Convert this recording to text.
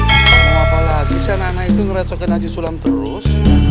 emang apalagi si anak anak itu ngerecohkan aja sulam terus